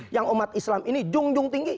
yang umat islam ini jung jung tinggi